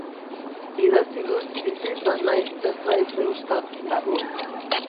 Idatzi dut, bizi izan naiz, ez naiz deustaz damu.